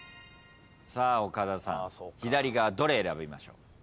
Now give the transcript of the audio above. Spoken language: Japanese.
岡田さん左側どれ選びましょう？